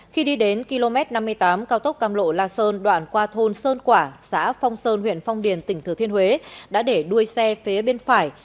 khi đi đến km năm mươi tám cao tốc cam lộ la sơn đoạn qua thôn sơn quả xã phong sơn huyện phong điền tỉnh thừa thiên huế đã để đuôi xe phía bên phải